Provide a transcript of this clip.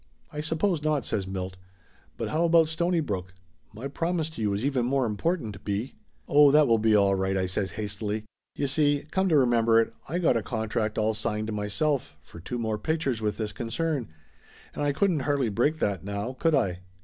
"I suppose not," says Milt. "But how about Stony brook ? My promise to you is even more important, B." "Oh, that will be all right!" I says hastily. "You see, come to remember it, I got a contract all signed myself, for two more pictures with this concern, and I couldn't hardly break that, now could I